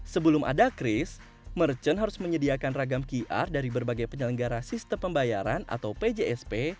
sebelum ada kris merchant harus menyediakan ragam qr dari berbagai penyelenggara sistem pembayaran atau pjsp